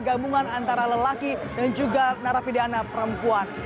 gabungan antara lelaki dan juga narapidana perempuan